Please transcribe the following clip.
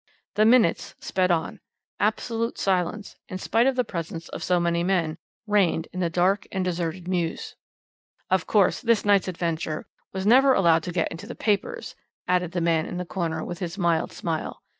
"The minutes sped on; absolute silence, in spite of the presence of so many men, reigned in the dark and deserted mews. "Of course, this night's adventure was never allowed to get into the papers," added the man in the corner with his mild smile.